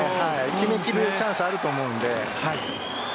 決め切るチャンスはあると思うので。